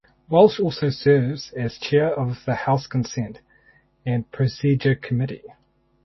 Walsh also serves as chair of the House Consent and Procedure Committee.